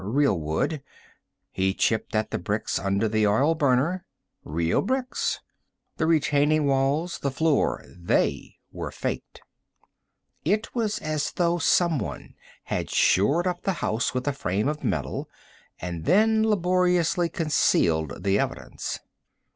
Real wood. He chipped at the bricks under the oil burner. Real bricks. The retaining walls, the floor they were faked. It was as though someone had shored up the house with a frame of metal and then laboriously concealed the evidence.